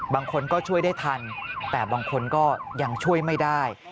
บางคนก็ช่วยได้ทันแต่บางคนก็ยังช่วยไม่ได้